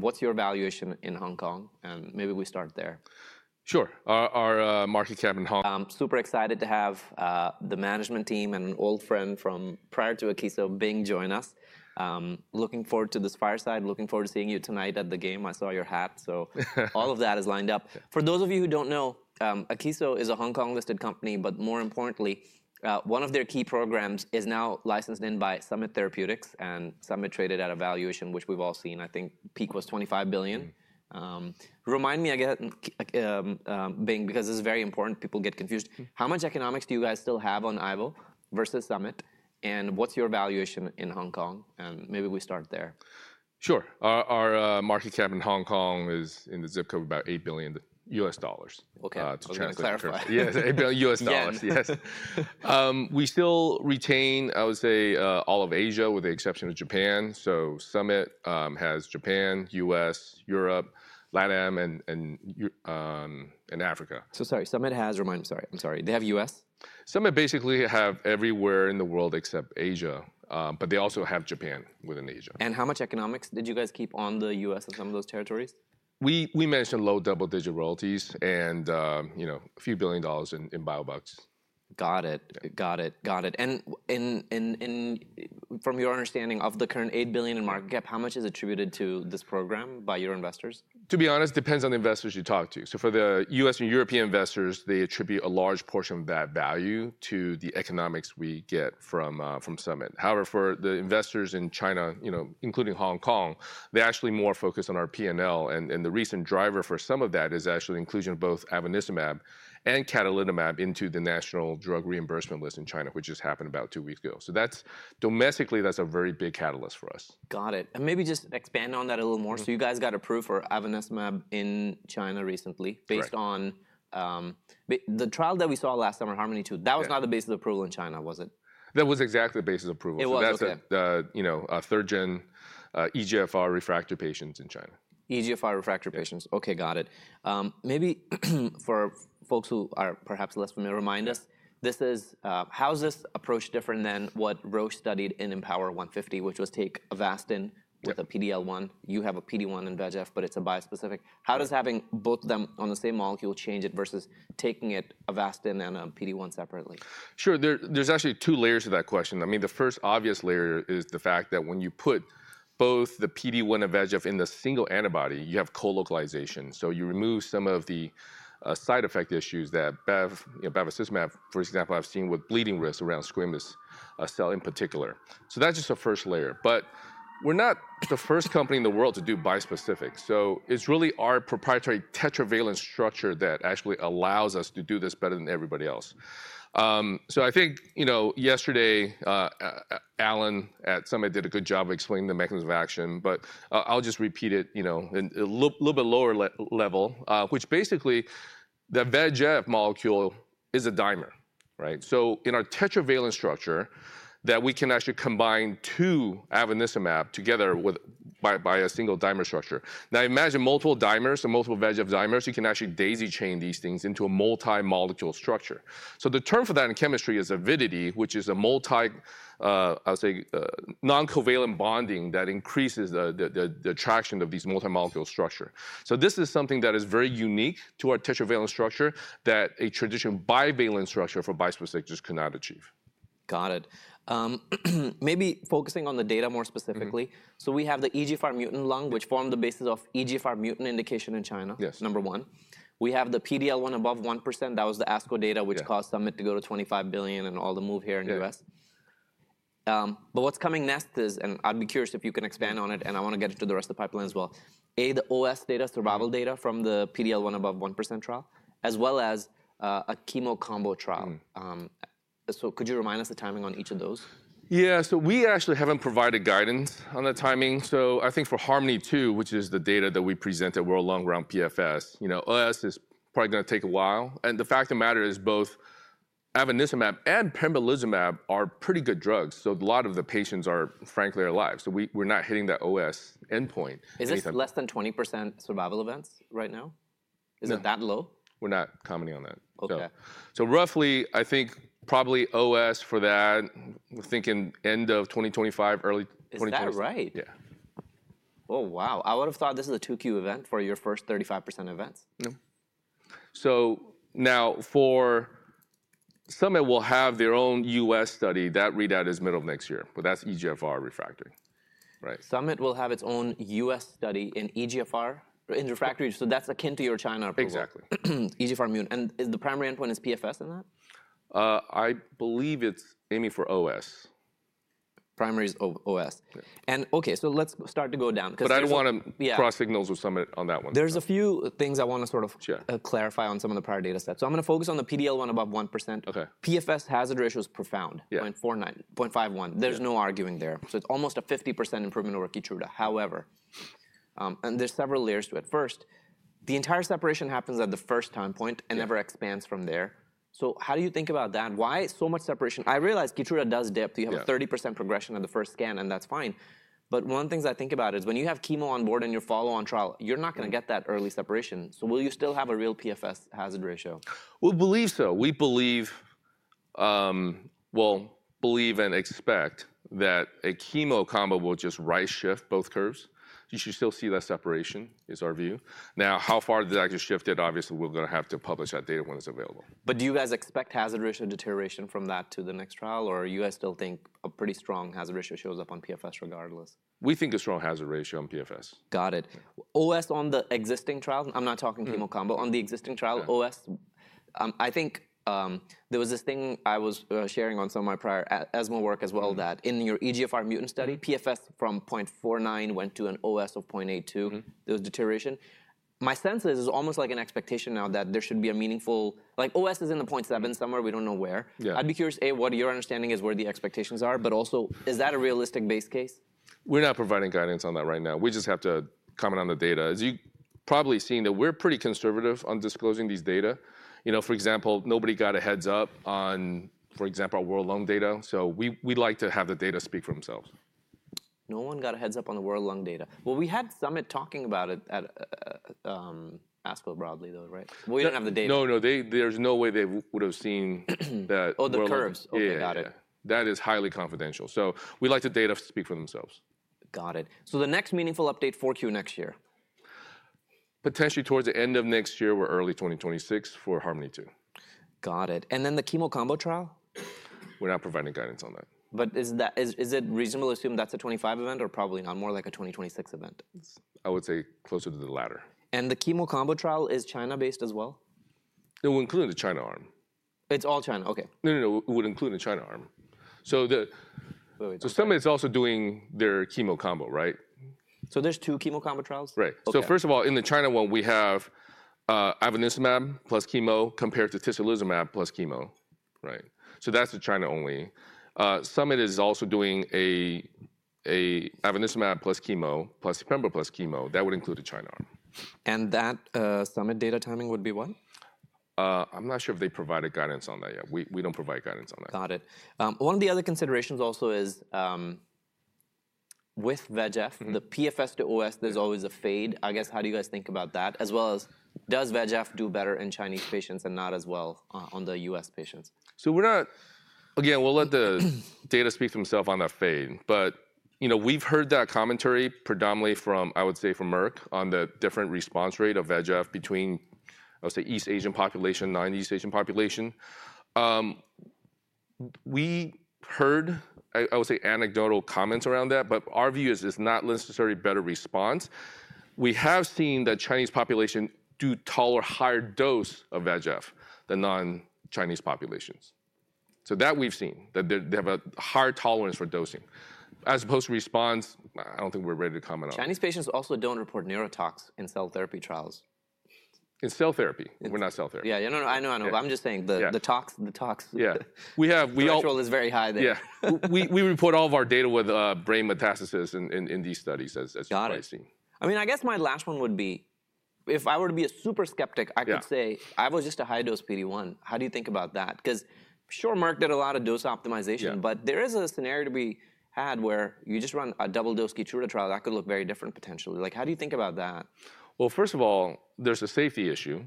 What's your valuation in Hong Kong? And maybe we start there. Sure. Our market cap in. Super excited to have the management team and an old friend from prior to Akeso, Bing, join us. Looking forward to this fireside, looking forward to seeing you tonight at the game. I saw your hat, so all of that is lined up. For those of you who don't know, Akeso is a Hong Kong-listed company, but more importantly, one of their key programs is now licensed in by Summit Therapeutics and Summit traded at a valuation which we've all seen. I think peak was $25 billion. Remind me, Bing, because this is very important, people get confused. How much economics do you guys still have on ivo versus Summit? And what's your valuation in Hong Kong? And maybe we start there. Sure. Our market cap in Hong Kong is in the zip code about $8 billion USD. Okay, let me clarify. Yes, $8 billion USD. Yes. We still retain, I would say, all of Asia with the exception of Japan. So Summit has Japan, U.S., Europe, LATAM, and Africa. Sorry, Summit has—they have U.S.? Summit basically have everywhere in the world except Asia, but they also have Japan within Asia. How much economics did you guys keep on the U.S. and some of those territories? We mentioned low double-digit royalties and a few billion dollars in buybacks. Got it. And from your understanding of the current $8 billion in market cap, how much is attributed to this program by your investors? To be honest, it depends on the investors you talk to. For the U.S. and European investors, they attribute a large portion of that value to the economics we get from Summit. However, for the investors in China, including Hong Kong, they're actually more focused on our P&L. And the recent driver for some of that is actually the inclusion of both ivonescimab and cadonilimab into the National Drug Reimbursement List in China, which just happened about two weeks ago. Domestically, that's a very big catalyst for us. Got it. And maybe just expand on that a little more. So you guys got approved for ivonescimab in China recently based on the trial that we saw last summer, HARMONi‑2. That was not the basis of approval in China, was it? That was exactly the basis of approval. It wasn't? That's a third-gen EGFR refractory patients in China. EGFR refractory patients. Okay, got it. Maybe for folks who are perhaps less familiar, remind us, how is this approach different than what Roche studied in IMpower150, which was take Avastin with a PD-L1? You have a PD-1 in VEGF, but it's a bispecific. How does having both of them on the same molecule change it versus taking Avastin and a PD-1 separately? Sure. There's actually two layers to that question. I mean, the first obvious layer is the fact that when you put both the PD-1 and VEGF in the single antibody, you have co-localization. So you remove some of the side effect issues that bevacizumab, for example, I've seen with bleeding risk around squamous cell in particular. So that's just the first layer. But we're not the first company in the world to do bispecific. So it's really our proprietary tetravalent structure that actually allows us to do this better than everybody else. So I think yesterday, Allen at Summit did a good job of explaining the mechanism of action, but I'll just repeat it at a little bit lower level, which basically the VEGF molecule is a dimer. So in our tetravalent structure that we can actually combine two ivonescimab together by a single dimer structure. Now, imagine multiple dimers and multiple VEGF dimers. You can actually daisy-chain these things into a multi-molecule structure. So the term for that in chemistry is avidity, which is a multi, I'll say, non-covalent bonding that increases the attraction of these multi-molecule structures. So this is something that is very unique to our tetravalent structure that a traditional bivalent structure for bispecific just could not achieve. Got it. Maybe focusing on the data more specifically. So we have the EGFR mutant lung, which formed the basis of EGFR mutant indication in China, number one. We have the PD-L1 above 1%. That was the ASCO data, which caused Summit to go to $25 billion and all the move here in the U.S. But what's coming next is, and I'd be curious if you can expand on it, and I want to get it to the rest of the pipeline as well. A, the OS data, survival data from the PD-L1 above 1% trial, as well as a chemo combo trial. So could you remind us the timing on each of those? Yeah. So we actually haven't provided guidance on the timing, so I think for HARMONi‑2, which is the data that we present that we're along around PFS, OS is probably going to take a while, and the fact of the matter is both ivonescimab and pembrolizumab are pretty good drugs, so a lot of the patients, frankly, are alive, so we're not hitting that OS endpoint. Is this less than 20% survival events right now? Is it that low? We're not commenting on that. Okay. So roughly, I think probably OS for that, we're thinking end of 2025, early 2026. Is that right? Yeah. Oh, wow. I would have thought this is a 2Q event for your first 35% events. No, so now for Summit, we'll have their own U.S. study. That readout is middle of next year, but that's EGFR refractory. Summit will have its own U.S. study in EGFR refractory. So that's akin to your China approval. Exactly. EGFR mutant. And the primary endpoint is PFS in that? I believe it's aiming for OS. Primary is OS, and okay, so let's start to go down. But I don't want to cross-signal with Summit on that one. There's a few things I want to sort of clarify on some of the prior data sets. So I'm going to focus on the PD-L1 above 1%. PFS hazard ratio is profound, 0.51. There's no arguing there. So it's almost a 50% improvement over Keytruda. However, there's several layers to it. First, the entire separation happens at the first time point and never expands from there. So how do you think about that? Why so much separation? I realize Keytruda does dip. You have a 30% progression on the first scan, and that's fine. But one of the things I think about is when you have chemo on board and you're follow-on trial, you're not going to get that early separation. So will you still have a real PFS hazard ratio? We believe so. We believe, well, and expect that a chemo combo will just right-shift both curves. You should still see that separation is our view. Now, how far did that actually shift it? Obviously, we're going to have to publish that data when it's available. But do you guys expect hazard ratio deterioration from that to the next trial, or you guys still think a pretty strong hazard ratio shows up on PFS regardless? We think a strong hazard ratio on PFS. Got it. OS on the existing trial? I'm not talking chemo combo. On the existing trial, OS? I think there was this thing I was sharing on some of my prior ESMO work as well that in your EGFR mutant study, PFS from 0.49 went to an OS of 0.82. There was deterioration. My sense is it's almost like an expectation now that there should be a meaningful—OS is in the 0.7 somewhere. We don't know where. I'd be curious, what your understanding is where the expectations are, but also, is that a realistic base case? We're not providing guidance on that right now. We just have to comment on the data. As you're probably seeing, we're pretty conservative on disclosing these data. For example, nobody got a heads-up on, for example, our World Lung data. So we'd like to have the data speak for themselves. No one got a heads-up on the World Lung data. Well, we had Summit talking about it at ASCO broadly, though, right? We don't have the data. No, no. There's no way they would have seen that. Oh, the curves. Okay, got it. That is highly confidential. So we like the data to speak for themselves. Got it. So the next meaningful update, 4Q next year. Potentially towards the end of next year or early 2026 for HARMONi‑2. Got it, and then the chemo combo trial? We're not providing guidance on that. But is it reasonable to assume that's a 2025 event or probably not, more like a 2026 event? I would say closer to the latter. The chemo combo trial, is China-based as well? It will include the China arm. It's all China. Okay. No, no, no. It would include the China arm. So Summit is also doing their chemo combo, right? So there's two chemo combo trials? Right. So first of all, in the China one, we have ivonescimab plus chemo compared to tislelizumab plus chemo. So that's the China only. Summit is also doing ivonescimab plus chemo plus pembrolizumab plus chemo. That would include the China arm. That Summit data timing would be what? I'm not sure if they provided guidance on that yet. We don't provide guidance on that. Got it. One of the other considerations also is with VEGF, the PFS to OS, there's always a fade. I guess, how do you guys think about that? As well as does VEGF do better in Chinese patients and not as well on the U.S. patients? So again, we'll let the data speak for themselves on that front. But we've heard that commentary predominantly from, I would say, from Merck on the different response rate of VEGF between, I would say, East Asian population, non-East Asian population. We heard, I would say, anecdotal comments around that, but our view is it's not necessarily better response. We have seen that Chinese population tolerate higher dose of VEGF than non-Chinese populations. So that we've seen, that they have a higher tolerance for dosing. As opposed to response, I don't think we're ready to comment on. Chinese patients also don't report neurotox in cell therapy trials. In cell therapy. We're not cell therapy. Yeah. I know. I know. I'm just saying the tox control is very high there. Yeah. We report all of our data with brain metastasis in these studies as far as I see. I mean, I guess my last one would be, if I were to be a super skeptic, I could say I was just a high-dose PD-1. How do you think about that? Because sure, Merck did a lot of dose optimization, but there is a scenario to be had where you just run a double-dose Keytruda trial. That could look very different potentially. How do you think about that? First of all, there's a safety issue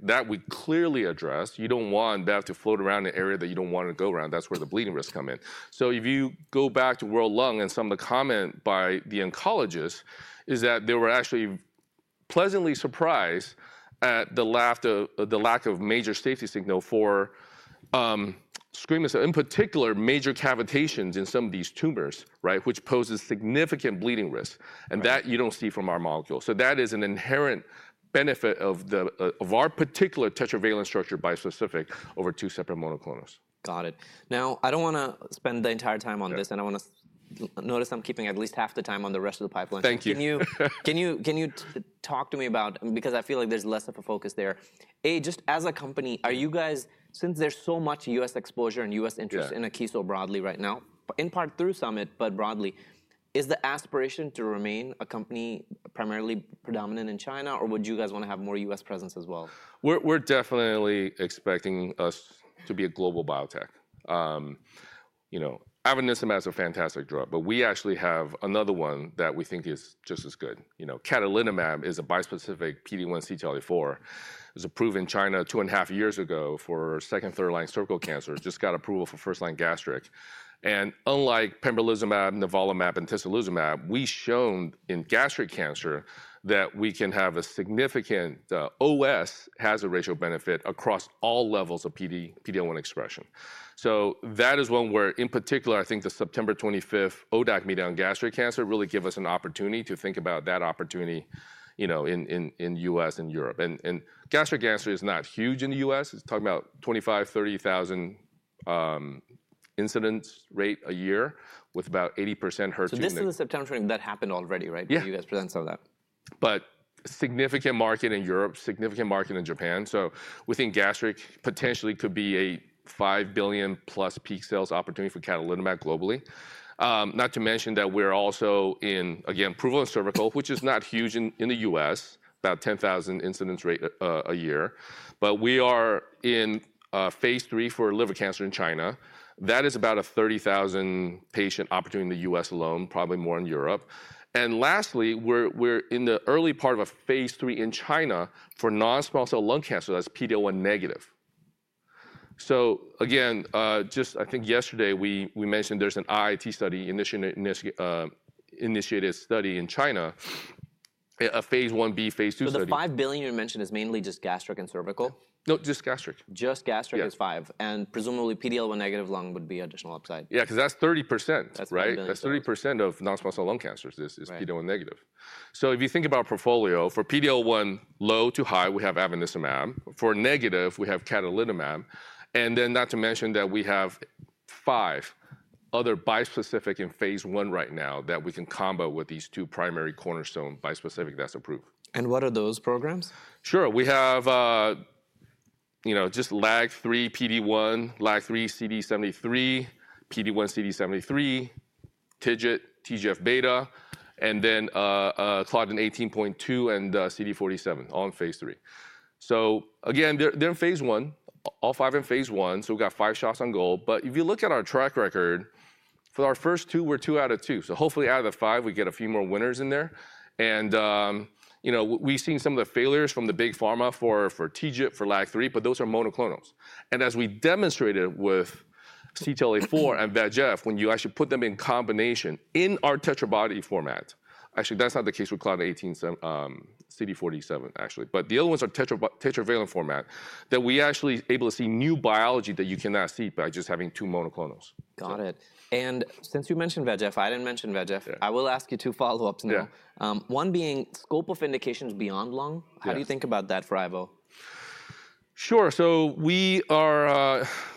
that we clearly addressed. You don't want that to float around in an area that you don't want to go around. That's where the bleeding risk comes in. So if you go back to World Lung, and some of the comment by the oncologists is that they were actually pleasantly surprised at the lack of major safety signal for squamous, in particular, major cavitations in some of these tumors, which poses significant bleeding risk, and that you don't see from our molecule, so that is an inherent benefit of our particular tetravalent structure bispecific over two separate monoclonals. Got it. Now, I don't want to spend the entire time on this, and I want to note I'm keeping at least half the time on the rest of the pipeline. Thank you. Can you talk to me about, because I feel like there's less of a focus there? Just as a company, are you guys, since there's so much U.S. exposure and U.S. interest in Akeso broadly right now, in part through Summit, but broadly, is the aspiration to remain a company primarily predominant in China, or would you guys want to have more U.S. presence as well? We're definitely expecting us to be a global biotech. ivonescimab is a fantastic drug, but we actually have another one that we think is just as good. Cadonilimab is a bispecific PD-1/CTLA-4. It was approved in China two and a half years ago for second and third line cervical cancer. Just got approval for first-line gastric. And unlike pembrolizumab, nivolumab, and tislelizumab, we've shown in gastric cancer that we can have a significant OS hazard ratio benefit across all levels of PD-L1 expression. So that is one where, in particular, I think the September 25th ODAC meeting on gastric cancer really gave us an opportunity to think about that opportunity in U.S. and Europe. And gastric cancer is not huge in the U.S. It's talking about 25,000, 30,000 incidence rate a year with about 80% HER2. So this is the September 20 that happened already, right? Yeah. You guys present some of that. But significant market in Europe, significant market in Japan. So within gastric, potentially could be a $5+ billion peak sales opportunity for cadonilimab globally. Not to mention that we're also in, again, proven cervical, which is not huge in the U.S., about 10,000 incidence rate a year. But we are in phase III for liver cancer in China. That is about a 30,000 patient opportunity in the U.S. alone, probably more in Europe. And lastly, we're in the early part of a phase III in China for non-small cell lung cancer that's PD-L1 negative. So again, just I think yesterday we mentioned there's an IIT study initiated study in China, a phase Ib, phase II study. But the 5 billion you mentioned is mainly just gastric and cervical? No, just gastric. Just gastric is five, and presumably PD-L1 negative lung would be additional upside. Yeah, because that's 30%. That's 30 billion. That's 30% of non-small cell lung cancers is PD-L1 negative. So if you think about our portfolio for PD-L1 low to high, we have ivonescimab. For negative, we have cadonilimab. And then not to mention that we have five other bispecific in phase I right now that we can combo with these two primary cornerstone bispecific that's approved. What are those programs? Sure. We have just LAG-3 PD-1, LAG-3/CD73, PD-1/CD73, TIGIT, TGF-beta, and then claudin 18.2 and CD47 all in phase III. So again, they're in phase I. All five in phase I. So we've got five shots on goal. But if you look at our track record, for our first two, we're two out of two. So hopefully out of the five, we get a few more winners in there. And we've seen some of the failures from the big pharma for TIGIT, for LAG-3, but those are monoclonals. And as we demonstrated with CTLA-4 and VEGF, when you actually put them in combination in our tetravalent format, actually that's not the case with claudin 18, CD47 actually. But the other ones are tetravalent format that we actually are able to see new biology that you cannot see by just having two monoclonals. Got it. And since you mentioned VEGF, I didn't mention VEGF. I will ask you two follow-ups now. One being scope of indications beyond lung. How do you think about that for IVO? Sure. So we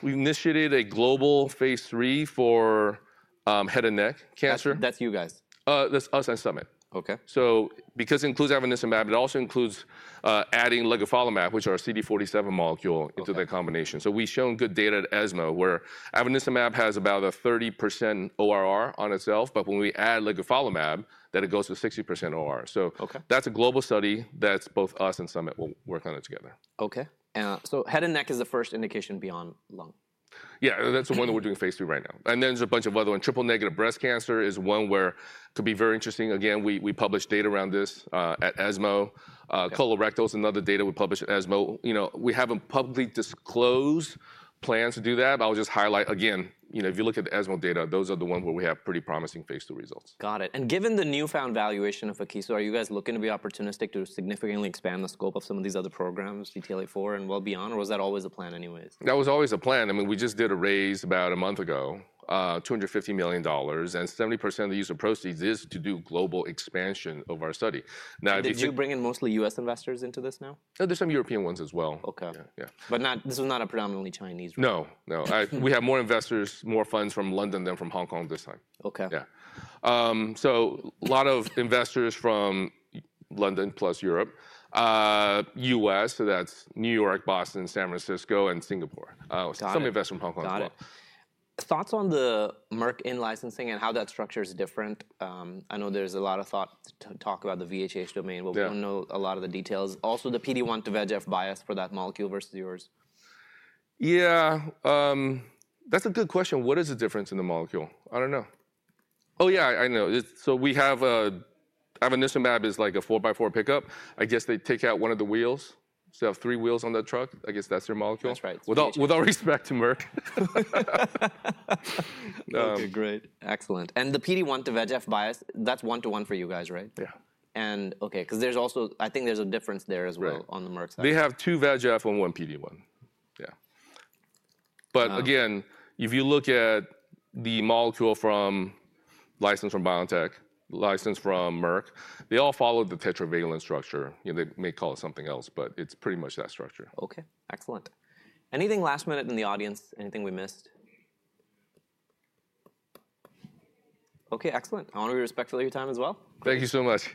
initiated a global phase III for head and neck cancer. That's you guys. That's us and Summit. Okay. So because it includes ivonescimab, it also includes adding ligufalimab, which is our CD47 molecule into the combination. So we've shown good data at ESMO where ivonescimab has about a 30% ORR on itself, but when we add ligufalimab, that it goes to 60% ORR. So that's a global study that's both us and Summit will work on it together. Okay. So head and neck is the first indication beyond lung. Yeah, that's the one that we're doing phase III right now. And then there's a bunch of other ones. Triple-negative breast cancer is one where it could be very interesting. Again, we published data around this at ESMO. Colorectal is another data we published at ESMO. We haven't publicly disclosed plans to do that, but I'll just highlight, again, if you look at the ESMO data, those are the ones where we have pretty promising phase II results. Got it. And given the newfound valuation of Keytruda, are you guys looking to be opportunistic to significantly expand the scope of some of these other programs, CTLA-4 and well beyond, or was that always the plan anyways? That was always the plan. I mean, we just did a raise about a month ago, $250 million, and 70% of the use of proceeds is to do global expansion of our study. Did you bring in mostly U.S. investors into this now? There's some European ones as well. Okay. But this was not a predominantly Chinese group? No, no. We have more investors, more funds from London than from Hong Kong this time. Okay. Yeah. So a lot of investors from London plus Europe, U.S., so that's New York, Boston, San Francisco, and Singapore. Some investors from Hong Kong as well. Got it. Thoughts on the Merck in licensing and how that structure is different? I know there's a lot to talk about the VHH domain, but we don't know a lot of the details. Also, the PD-1 to VEGF bispecific for that molecule versus yours? Yeah. That's a good question. What is the difference in the molecule? I don't know. Oh, yeah, I know. So we have ivonescimab is like a 4x4 pickup. I guess they take out one of the wheels. So you have three wheels on that truck. I guess that's their molecule. That's right. With all respect to Merck. Okay, great. Excellent. And the PD-1 to VEGF bispecific, that's one-to-one for you guys, right? Yeah. Okay, because there's also, I think, a difference there as well on the Merck side. They have two VEGF and one PD-1. Yeah. But again, if you look at the molecule licensed from BioNTech, licensed from Merck, they all follow the tetravalent structure. They may call it something else, but it's pretty much that structure. Okay. Excellent. Anything last minute in the audience? Anything we missed? Okay, excellent. I want to be respectful of your time as well. Thank you so much.